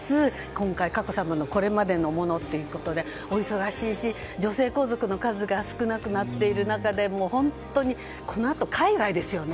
今回、佳子さまのこれまでのものということでお忙しいし、女性皇族の数が少なくなっている中で本当にこのあと海外ですよね。